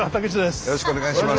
よろしくお願いします！